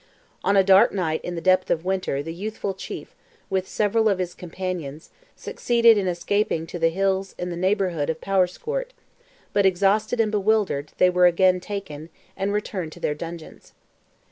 On a dark night in the depth of winter the youthful chief, with several of his companions, succeeded in escaping to the hills in the neighbourhood of Powerscourt; but, exhausted and bewildered, they were again taken, and returned to their dungeons.